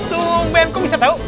tungguin kok bisa tahu